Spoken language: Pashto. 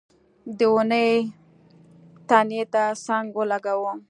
د ونې تنې ته څنګ ولګاوه.